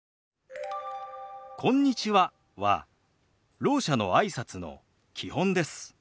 「こんにちは」はろう者のあいさつの基本です。